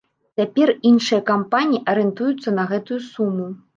Цяпер іншыя кампаніі арыентуюцца на гэтую суму.